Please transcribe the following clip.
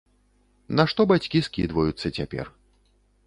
На што бацькі скідваюцца цяпер.